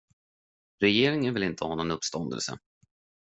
Regeringen vill inte ha någon uppståndelse.